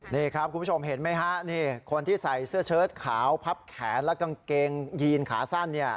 นี่ครับคุณผู้ชมเห็นไหมฮะนี่คนที่ใส่เสื้อเชิดขาวพับแขนและกางเกงยีนขาสั้น